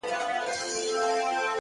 حقیقت در څخه نه سم پټولای!!